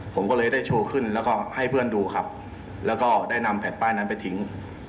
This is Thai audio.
ผมก็เลยได้โชว์ขึ้นแล้วก็ให้เพื่อนดูครับแล้วก็ได้นำแผ่นป้ายนั้นไปทิ้ง